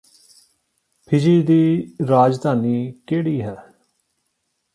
ਫਿੱਜੀ ਦੀ ਰਾਜਧਾਨੀ ਕਿਹੜੀ ਹੈ